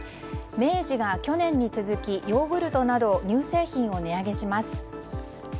明治が去年に続きヨーグルトなど乳製品を値上げします。